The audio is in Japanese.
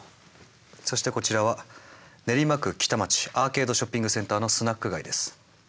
そしてこちらは練馬区北町アーケードショッピングセンターのスナック街です。